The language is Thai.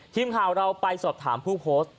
ทีมข่าวเราไปสอบถามผู้โพสต์